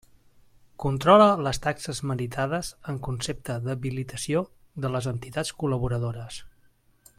Controla les taxes meritades en concepte d'habilitació de les entitats col·laboradores.